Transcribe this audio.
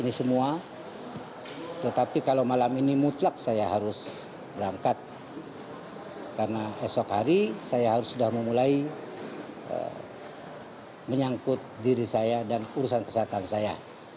ini semua tetapi kalau malam ini mutlak saya harus berangkat karena esok hari saya harus sudah memulai menyangkut diri saya dan urusan kesehatan saya